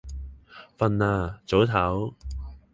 瞓啦，早唞